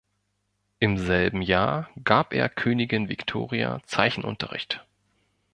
Im selben Jahr gab er Königin Victoria Zeichenunterricht.